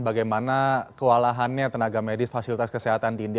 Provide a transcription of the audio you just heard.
bagaimana kewalahannya tenaga medis fasilitas kesehatan di india